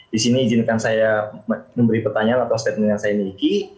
di sini izinkan saya memberi pertanyaan atau statement yang saya miliki